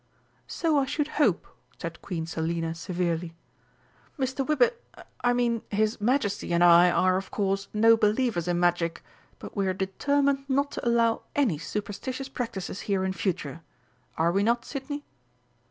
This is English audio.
"So I should hope," said Queen Selina severely. "Mr. Wibber I mean, his Majesty and I are, of course, no believers in Magic, but we are determined not to allow any superstitions practices here in future are we not, Sidney?"